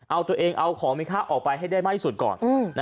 เอาตัวเองเอาของมีค่าออกไปให้ได้มากที่สุดก่อน